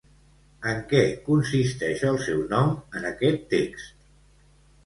En què consisteix el seu nom en aquest text?